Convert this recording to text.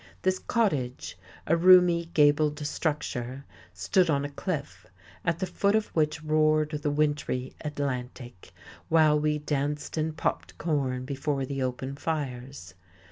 This "cottage," a roomy, gabled structure, stood on a cliff, at the foot of which roared the wintry Atlantic, while we danced and popped corn before the open fires.